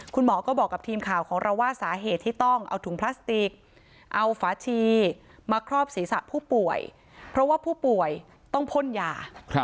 คุณหมอก็บอกกับทีมข่าวของเราว่าสาเหตุที่ต้องเอาถุงพลาสติกเอาฝาชีมาครอบศีรษะผู้ป่วยเพราะว่าผู้ป่วยต้องพ่นยา